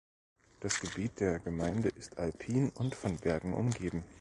Das Gebiet der Gemeinde ist alpin und von Bergen umgeben.